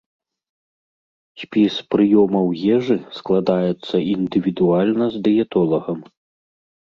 Спіс прыёмаў ежы складаецца індывідуальна з дыетолагам.